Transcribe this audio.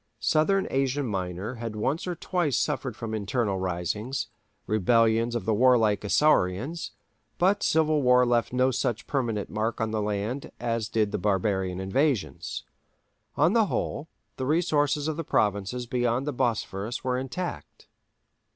Southern Asia Minor had once or twice suffered from internal risings—rebellions of the warlike Isaurians—but civil war left no such permanent mark on the land as did barbarian invasions. On the whole, the resources of the provinces beyond the Bosphorus were intact.